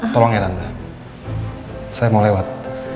tolong ya tanda saya mau lewat